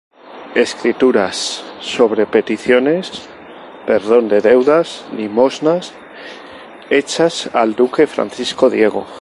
Escrituras sobre peticiones, perdón de deudas, limosnas hechas al duque Francisco Diego.